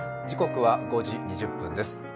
時刻は５時２０分です。